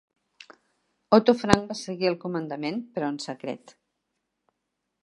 Otto Frank va seguir al comandament, però en secret.